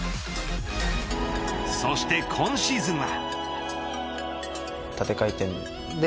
そして今シーズンは。